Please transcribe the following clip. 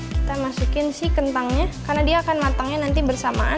kita masukin si kentangnya karena dia akan matangnya nanti bersamaan